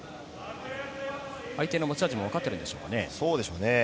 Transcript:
相手の持ち味もわかっているんでしょうかね。